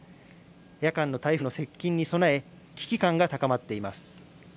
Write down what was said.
夜間の台風の接近に備え危機感が高まっています。